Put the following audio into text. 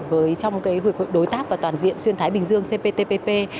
với trong cái hội đối tác và toàn diện xuyên thái bình dương cptpp